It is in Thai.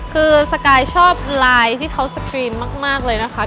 คือสกายชอบไลน์ที่เขาสกรีนมากเลยนะคะ